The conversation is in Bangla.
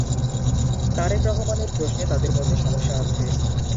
তারেক রহমানের প্রশ্নে তাদের মধ্যে সমস্যা আছে।